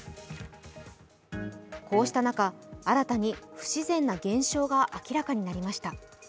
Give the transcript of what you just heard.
こうした中、新たに不自然な現象が明らかになりました。